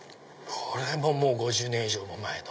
これも５０年以上も前の。